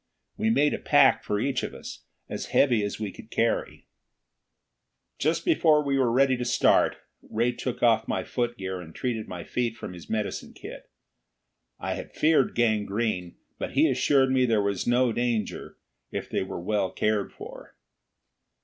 We made a pack for each of us, as heavy as we could carry. Just before we were ready to start Ray took off my footgear and treated my feet from his medicine kit. I had feared gangrene, but he assured me that there was no danger if they were well cared for.